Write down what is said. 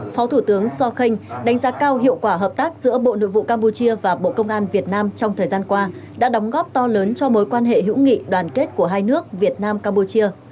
phó thủ tướng sokh đánh giá cao hiệu quả hợp tác giữa bộ nội vụ campuchia và bộ công an việt nam trong thời gian qua đã đóng góp to lớn cho mối quan hệ hữu nghị đoàn kết của hai nước việt nam campuchia